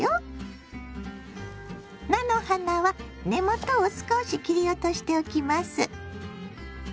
菜の花は根元を少し切り落としておきます。